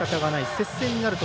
接戦になると。